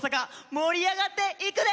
盛り上がっていくで！